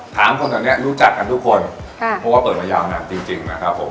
คนแถวเนี้ยรู้จักกันทุกคนค่ะเพราะว่าเปิดมายาวนานจริงจริงนะครับผม